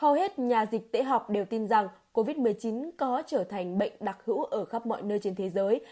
hầu hết nhà dịch tễ học đều tin rằng covid một mươi chín có trở thành bệnh đặc hữu ở khắp mọi nơi trên thế giới